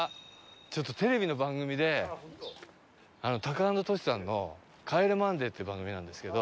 ちょっとテレビの番組でタカアンドトシさんの『帰れマンデー』っていう番組なんですけど。